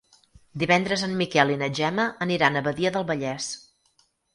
Divendres en Miquel i na Gemma aniran a Badia del Vallès.